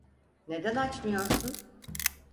Neden açmıyorsun?